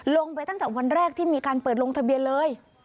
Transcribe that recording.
ลงไปตั้งแต่วันแรกที่มีการเปิดลงทะเบียนเลย